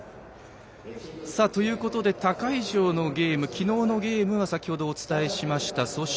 ということで他会場のゲーム、昨日のゲームは先程お伝えしました。